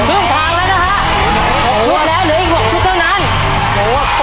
๑๐ชุดนะคะหรืออีก๒ชุดด้วยนะครับ